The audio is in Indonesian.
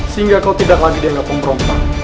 sehingga kau tidak lagi dianggap pemberontak